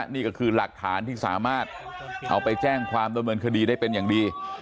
นี่ก็คือหลักฐานที่สามารถเอาไปแจ้งความดำเนินคดีได้เป็นอย่างดี